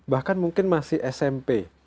bahkan mungkin masih smp